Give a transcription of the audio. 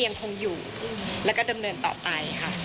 ยังคงอยู่แล้วก็ดำเนินต่อไปค่ะ